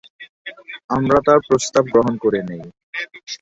আমরা তার প্রস্তাব গ্রহণ করে নেই।'